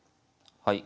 はい。